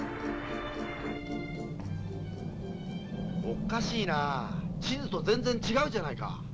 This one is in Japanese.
おっかしいなあ地図と全然違うじゃないか。